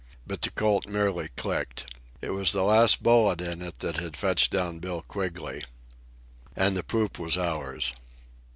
But the Colt merely clicked. It was the last bullet in it that had fetched down Bill Quigley. And the poop was ours.